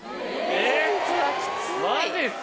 えっマジっすか。